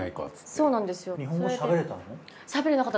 そうなんですよそれで。